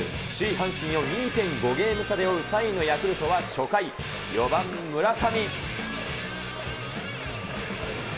阪神を２．５ゲーム差で追う３位のヤクルトは初回、４番村上。